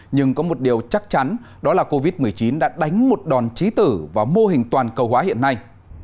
nhưng có một điều chắc chắn đó là covid một mươi chín đã đánh một đòn trí tử vào mô hình toàn cầu hóa hiện nay